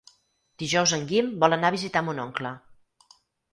Dijous en Guim vol anar a visitar mon oncle.